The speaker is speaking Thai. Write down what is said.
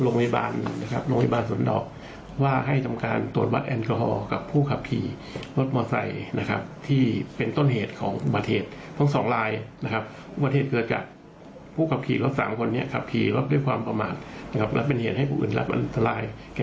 เขาก็หลบหนีนะครับในณกีฎีครั้งแรก